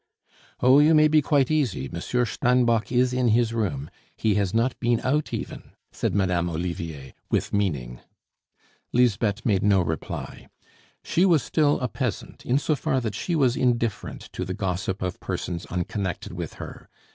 "Oh, you may be quite easy, Monsieur Steinbock is in his room. He has not been out even," said Madame Olivier, with meaning. Lisbeth made no reply. She was still a peasant, in so far that she was indifferent to the gossip of persons unconnected with her.